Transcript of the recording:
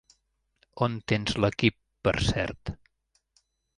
On tens l'equip, per cert?